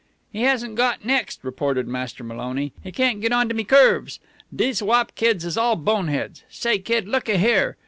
"He hasn't got next," reported Master Maloney. "He can't git on to me curves. Dese wop kids is all bone heads. Say, kid, look a here."